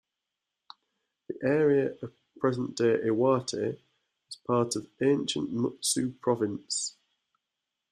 The area of present-day Iwate was part of ancient Mutsu Province.